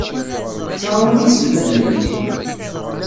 Ttaɣ awal i yiselmaden-nnem.